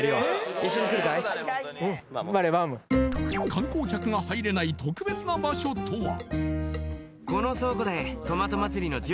観光客が入れない特別な場所とは？